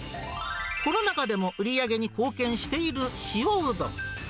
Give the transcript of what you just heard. コロナ禍でも売り上げに貢献している塩うどん。